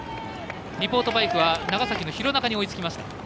リポートバイクは長崎の廣中に追いつきました。